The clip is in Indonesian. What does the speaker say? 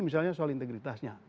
misalnya soal integritasnya